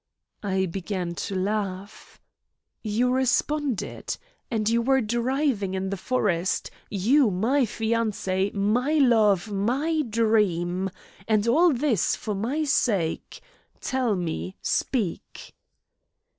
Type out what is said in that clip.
I began to laugh. "You responded? And you were driving in the forest you, my fiancee, my love, my dream! And all this for my sake? Tell me! Speak!"